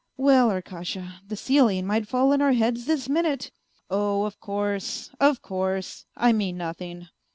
" Well, Arkasha, the ceiling might fall on our heads this minute." " Oh, of course, of course, I mean nothing."